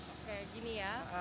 seperti ini ya